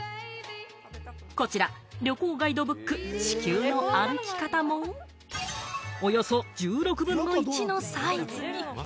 こちら旅行ガイドブック『地球の歩き方』も、およそ１６分の１のサイズに。